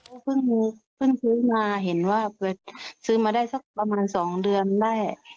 อืมเพิ่งมีเพิ่งซื้อมาเห็นว่าซื้อมาได้สักประมาณสองเดือนได้